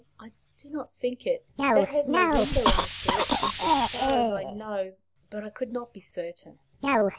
I do not think it. That has no window in this direction, so far as I know. But I could not be certain."